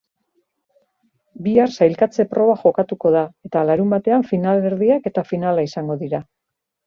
Bihar sailkatze proba jokatuko da eta larunbatean finalerdiak eta finala izango dira.